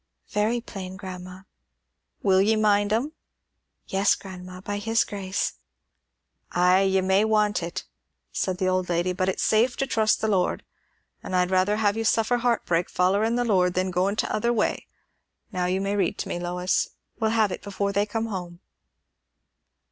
"Very plain, grandma." "Will ye mind 'em?" "Yes, grandma; by his grace." "Ay, ye may want it," said the old lady; "but it's safe to trust the Lord. An' I'd rather have you suffer heartbreak follerin' the Lord, than goin' t'other way. Now you may read to me, Lois. We'll have it before they come home."